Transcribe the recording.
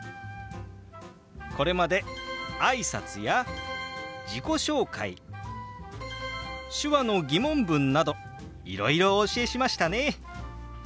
これまで挨拶や自己紹介手話の疑問文などいろいろお教えしましたね。